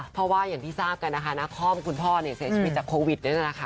เพราะว่าอย่างที่ทราบกันนะคะนาคอมคุณพ่อเสียชีวิตจากโควิดด้วยนะคะ